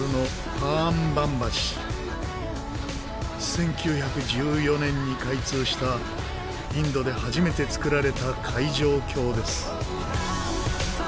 １９１４年に開通したインドで初めて造られた海上橋です。